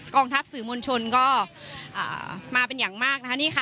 องทัพสื่อมวลชนก็มาเป็นอย่างมากนะคะนี่ค่ะ